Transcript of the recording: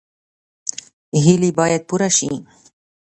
هیلې باید پوره شي